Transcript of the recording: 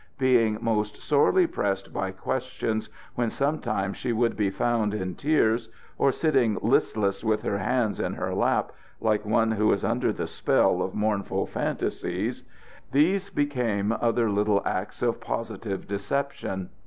being most sorely pressed by questions, when sometimes she would be found in tears or sitting listless with her hands in her lap like one who is under the spell of mournful phantasies, these became other little acts of positive deception.